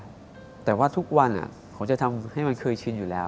แต่ว่าทุกวันผมจะทำให้มันเคยชินอยู่แล้ว